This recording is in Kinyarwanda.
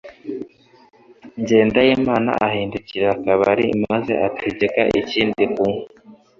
Jyendayimana ahindukirira akabari maze ategeka ikindi kunywa.